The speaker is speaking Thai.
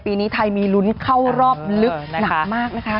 ปีนี้ไทยมีลุ้นเข้ารอบลึกหนักมากนะคะ